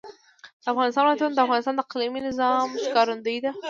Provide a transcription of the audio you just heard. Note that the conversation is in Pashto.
د افغانستان ولايتونه د افغانستان د اقلیمي نظام ښکارندوی ده.